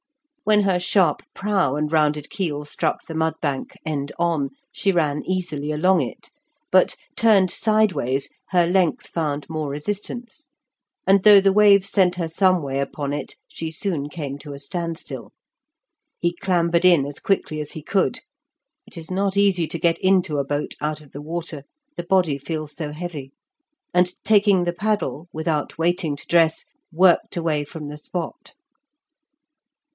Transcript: When her sharp prow and rounded keel struck the mud bank end on she ran easily along it. But, turned sideways, her length found more resistance, and though the waves sent her some way upon it, she soon came to a standstill. He clambered in as quickly as he could (it is not easy to get into a boat out of the water, the body feels so heavy), and, taking the paddle, without waiting to dress, worked away from the spot.